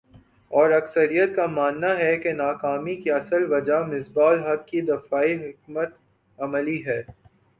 اور اکثریت کا ماننا ہے کہ ناکامی کی اصل وجہ مصباح الحق کی دفاعی حکمت عملی ہے ۔